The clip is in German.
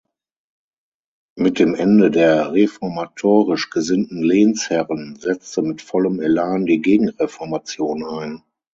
Mit dem Ende der reformatorisch gesinnten Lehnsherren setzte mit vollem Elan die Gegenreformation ein.